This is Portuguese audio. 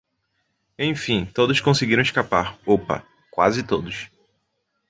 Enfim, todos conseguiram escapar! Opa! Quase todos!